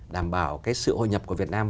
đảm bảo cái sự hội nhập của việt nam